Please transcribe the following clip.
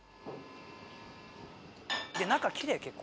中きれい結構。